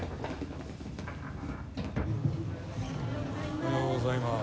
おはようございます。